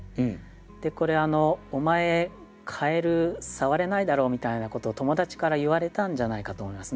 でこれ「お前カエルさわれないだろ」みたいなことを友達から言われたんじゃないかと思いますね。